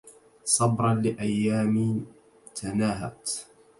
صبرا لأيام تناهت